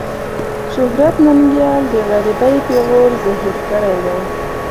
شهرت ننګيال د غريبۍ پېغور زهير کړی دی.